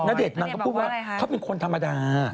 ณเดชนนางก็พูดว่าเขาเป็นคนธรรมดา